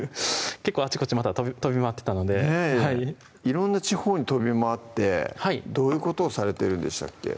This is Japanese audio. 結構あちこちまた飛び回ってたので色んな地方に飛び回ってどういうことをされてるんでしたっけ？